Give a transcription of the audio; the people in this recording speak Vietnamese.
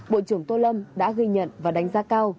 bộ trưởng tô lâm đã ghi nhận và đánh giá cao